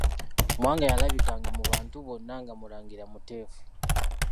Mwanga yalabikanga mu bantu bonna nga mulangira muteefu.